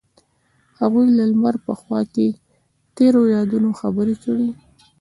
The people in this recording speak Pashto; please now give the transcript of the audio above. هغوی د لمر په خوا کې تیرو یادونو خبرې کړې.